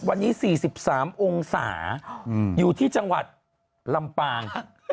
วันนี้๔๓องศาอยู่ที่จังหวัดลำปาง